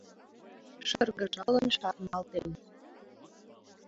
Шыргыжалын шарналтен.